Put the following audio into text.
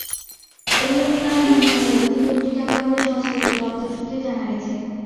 এগুলোর আনুমানিক মূল্য তিন কোটি টাকা বলে সংশ্লিষ্ট দপ্তর সূত্রে জানা গেছে।